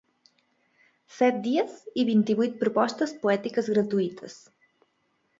Set dies i vint-i-vuit propostes poètiques gratuïtes.